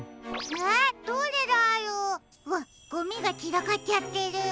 うわっゴミがちらかっちゃってるよ。